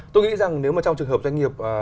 tôi nghĩ rằng nếu mà trong trường hợp doanh nghiệp